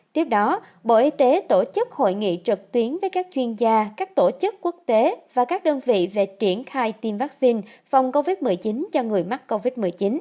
tiếp đó bộ y tế tổ chức hội nghị trực tuyến với các chuyên gia các tổ chức quốc tế và các đơn vị về triển khai tiêm vaccine phòng covid một mươi chín cho người mắc covid một mươi chín